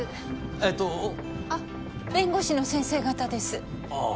ええとあっ弁護士の先生方ですああ